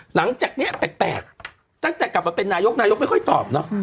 หลังจากนี้แปลกตั้งแต่กลับมาเป็นนายกนายกไม่ค่อยตอบเนอะ